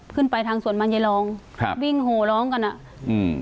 ขึ้นไปทางสวนมันใยรองครับวิ่งโหร้องกันอ่ะอืม